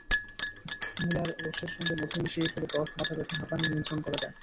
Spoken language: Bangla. মুলার রসের সঙ্গে মধু মিশিয়ে খেলে কফ, মাথাব্যথা, হাঁপানি নিয়ন্ত্রণ করা যায়।